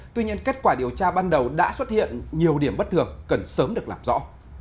tuy nhiên kết quả điều tra ban đầu đã xuất hiện nhiều điểm bất thường cần sớm được làm rõ